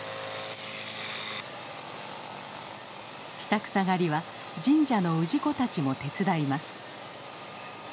下草刈りは神社の氏子たちも手伝います。